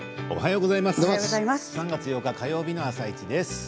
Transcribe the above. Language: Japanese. おはようございます。